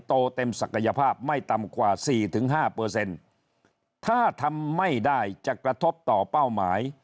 โตเต็มศักยภาพไม่ต่ำกว่า๔๕ถ้าทำไม่ได้จะกระทบต่อเป้าหมาย